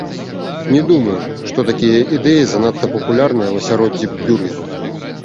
Не думаю, што такія ідэі занадта папулярныя ў асяроддзі бюргераў.